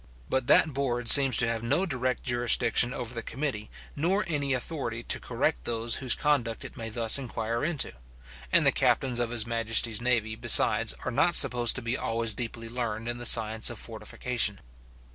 But that board seems to have no direct jurisdiction over the committee, nor any authority to correct those whose conduct it may thus inquire into; and the captains of his majesty's navy, besides, are not supposed to be always deeply learned in the science of fortification.